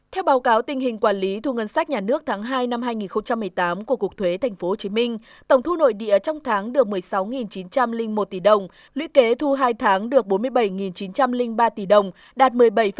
theo báo cáo tình hình quản lý thu ngân sách nhà nước tháng hai năm hai nghìn một mươi tám của cục thuế tp hcm tổng thu nội địa trong tháng được một mươi sáu chín trăm linh một tỷ đồng luy kế thu hai tháng được bốn mươi bảy chín trăm linh ba tỷ đồng đạt một mươi bảy